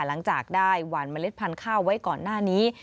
หลังจากได้หวานเมล็ดพันธุ์ข้าวไว้ก่อนหน้านี้